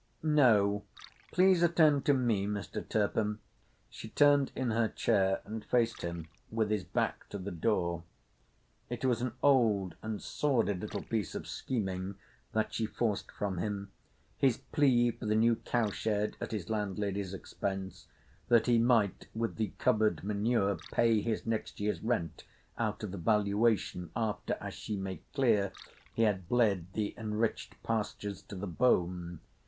"No. Please attend to me, Mr. Turpin." She turned in her chair and faced him with his back to the door. It was an old and sordid little piece of scheming that she forced from him—his plea for the new cowshed at his landlady's expense, that he might with the covered manure pay his next year's rent out of the valuation after, as she made clear, he had bled the enriched pastures to the bone.